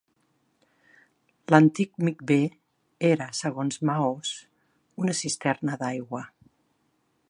L'antic micvé era, segons Ma'oz', una cisterna d'aigua.